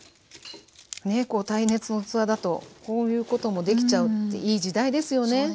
耐熱の器だとこういうこともできちゃうっていい時代ですよね。